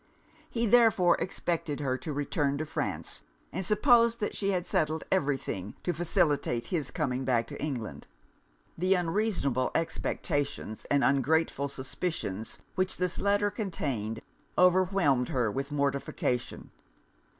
He therefore expected her to return to France, and supposed that she had settled every thing to facilitate his coming back to England.' The unreasonable expectations, and ungrateful suspicions, which this letter contained, overwhelmed her with mortification.